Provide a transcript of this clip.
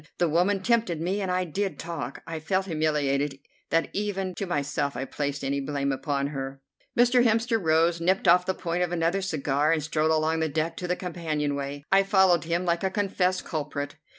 The woman tempted me, and I did talk. I felt humiliated that even to myself I placed any blame upon her. Mr. Hemster rose, nipped off the point of another cigar, and strode along the deck to the companion way, I following him like a confessed culprit.